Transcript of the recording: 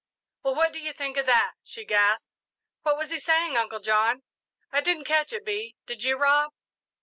"Well, what do you think of that!" she gasped. "What was he saying, Uncle John?" "I didn't catch it, Bee did you, Rob?"